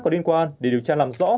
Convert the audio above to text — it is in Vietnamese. có liên quan để điều tra làm rõ